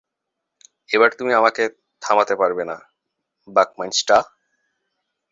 এবার তুমিও আমাকে থামাতে পারবে না, বাকমাইনস্টার।